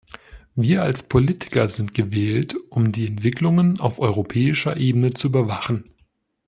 Wir als Politiker sind gewählt, um die Entwicklungen auf europäischer Ebene zu überwachen.